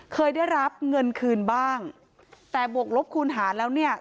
เคยได้รับเงินคืนบ้างแต่บวกลบคูณหาแล้วเนี่ย